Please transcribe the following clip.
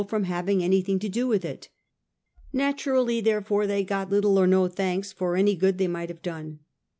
189 from having anything to do with it. Naturally, therefore, they got little or no thanks for any good they might have done.